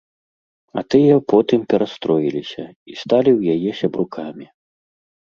А тыя потым перастроіліся, сталі ў яе сябрукамі.